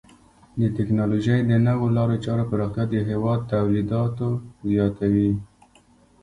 د ټکنالوژۍ د نوو لارو چارو پراختیا د هیواد تولیداتو زیاتوي.